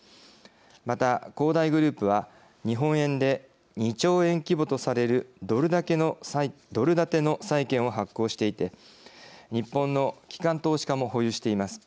また恒大グループは日本円で２兆円規模とされるドル建ての債券を発行していて日本の機関投資家も保有しています。